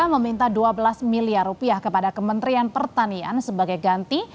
meminta dua belas miliar rupiah kepada kementerian pertanian sebagai ganti